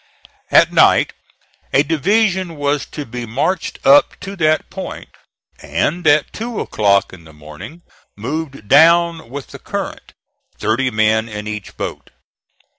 At night a division was to be marched up to that point, and at two o'clock in the morning moved down with the current, thirty men in each boat.